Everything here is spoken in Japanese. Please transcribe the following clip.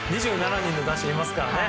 ２７人の打者がいますからね。